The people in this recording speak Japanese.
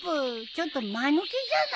ちょっと間抜けじゃない？